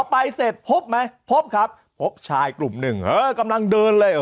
ไปเสร็จพบไหมพบครับพบชายกลุ่มหนึ่งเออกำลังเดินเลยเหรอ